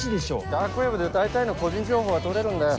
ダークウェブで大体の個人情報は取れるんだよ。